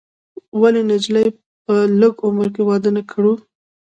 ولې نجونې په لږ عمر کې واده نه کړو؟